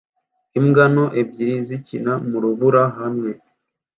Imbwa nto ebyiri zikina mu rubura hamwe